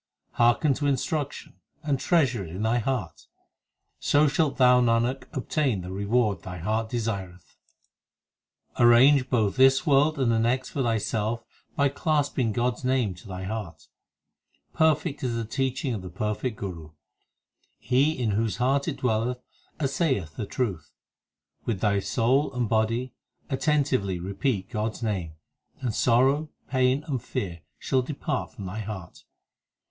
Hearken to instruction, and treasure it in thy heart, So shalt thou, Nanak, obtain the reward thy heart desireth. HYMNS OF GURU ARJAN 265 6 Arrange both this world and the next for thyself By clasping God s name to thy heart. Perfect is the teaching of the perfect Guru ; He in whose heart it dwelleth assay eth the truth. With thy soul and body attentively repeat God s name, And sorrow, pain, and fear shall depart from thy heart.